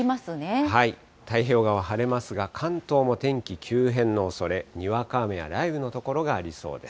太平洋側、晴れますが、関東も天気急変のおそれ、にわか雨や雷雨の所がありそうです。